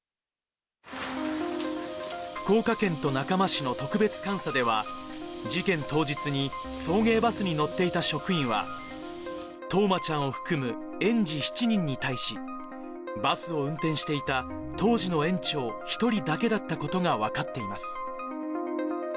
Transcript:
福岡県と中間市の特別監査では、事件当日に送迎バスに乗っていた職員は、冬生ちゃんを含む園児７人に対し、バスを運転していた、当時の園長１人だけだったことが分かっています。